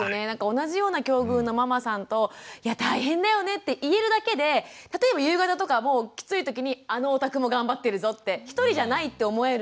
同じような境遇のママさんと「いや大変だよね」って言えるだけで例えば夕方とかもきついときにあのおたくも頑張ってるぞって一人じゃないって思えるので。